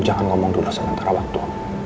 jangan ngomong dulu sementara waktu